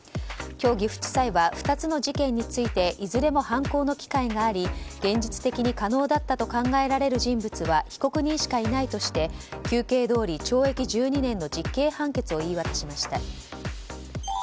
今日、岐阜地裁は２つの事件についていずれも犯行の機会があり現実的に可能だったと考えられる人物は被告人しかいないとして求刑どおり、懲役１２年の実刑判決を言い渡しました。